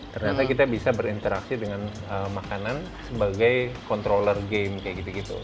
ternyata kita bisa berinteraksi dengan makanan sebagai controller game kayak gitu gitu